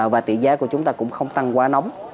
và tỷ giá của chúng ta cũng không tăng quá nóng